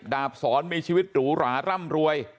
ดาบสอนมีชีวิตหรูหราร่ำรวย